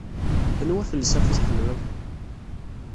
Anwa afelsaf i tḥemmleḍ?